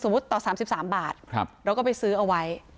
สมมติต่อ๓๓บาทแล้วก็ไปซื้อเอาไว้